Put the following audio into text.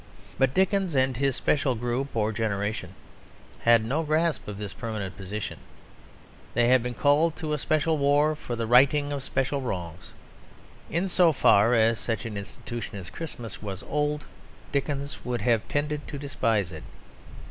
But Dickens and his special group or generation had no grasp of this permanent position; they had been called to a special war for the righting of special wrongs. In so far as such an institution as Christmas was old, Dickens would even have tended to despise it.